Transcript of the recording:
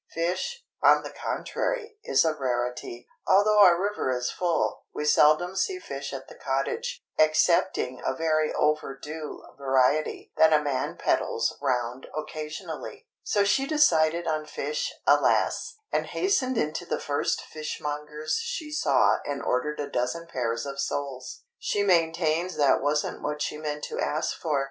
Fish, on the contrary, is a rarity. Although our river is full, we seldom see fish at the cottage, excepting a very over due variety that a man peddles round occasionally. So she decided on fish—alas! And hastened into the first fishmonger's she saw and ordered a dozen pairs of soles. She maintains that wasn't what she meant to ask for.